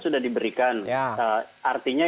sudah diberikan artinya